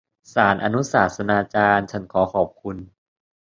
ศาลอนุศาสนาจารย์ฉันขอขอบคุณ